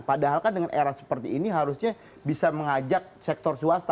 padahal kan dengan era seperti ini harusnya bisa mengajak sektor swasta